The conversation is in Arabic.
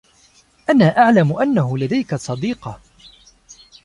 انا اعلم انه لديك صديقة